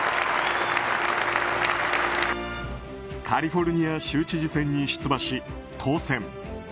カリフォルニア州知事選に出馬し当選。